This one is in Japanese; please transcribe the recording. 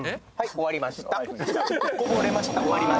終わりました